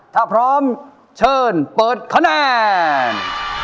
ถ้าพร้อมเชิญเปิดคะแนน